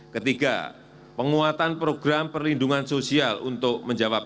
ketiga penguatan program perlindungan sosial untuk menjawab